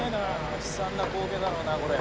悲惨な光景だろうなこれは。